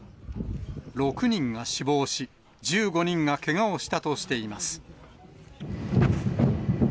６人が死亡し、１５人がけがをしたとしています。